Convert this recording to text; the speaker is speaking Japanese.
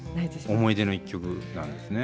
思い出の一曲なんですね。